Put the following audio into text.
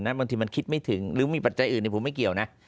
บางทีมันคิดไม่ถึงหรือมีปัจจัยอื่นผมไม่เกี่ยวนะ